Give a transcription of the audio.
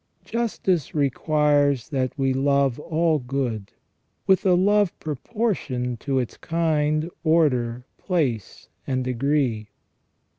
Justice requires that we love all good, with a love proportioned to its kind, order, place, and degree.